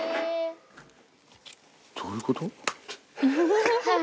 どういうこと？